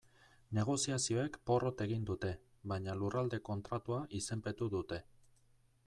Negoziazioek porrot egin dute, baina Lurralde Kontratua izenpetu dute.